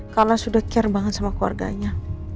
karena sudah care banget sama keluarganya